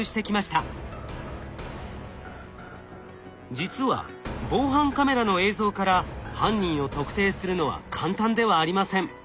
実は防犯カメラの映像から犯人を特定するのは簡単ではありません。